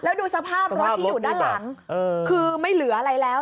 แล้วดูสภาพรถที่อยู่ด้านหลังคือไม่เหลืออะไรแล้ว